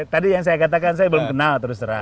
tadi yang saya katakan saya belum kenal terus terang